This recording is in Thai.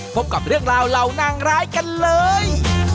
พบกับเรื่องราวเหล่านางร้ายกันเลย